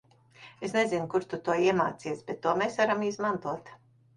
Es nezinu kur tu to iemācījies, bet to mēs varam izmantot.